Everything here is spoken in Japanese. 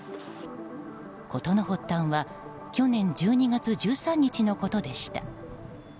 事の発端は去年１２月１３日のことでした。